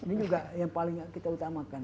ini juga yang paling kita utamakan